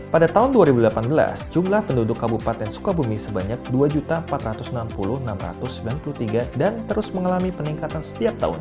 pada tahun dua ribu delapan belas jumlah penduduk kabupaten sukabumi sebanyak dua empat ratus enam puluh enam ratus sembilan puluh tiga dan terus mengalami peningkatan setiap tahun